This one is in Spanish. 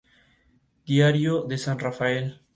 Diario de San Rafael